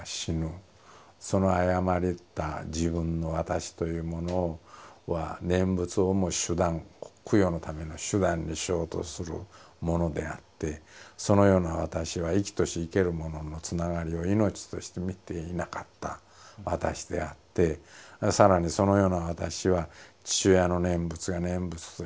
その誤った自分の私というものは念仏をも手段供養のための手段にしようとするものであってそのような私は生きとし生けるもののつながりを命として見ていなかった私であって更にそのような私は父親の念仏が念仏として聞こえなかった私であった。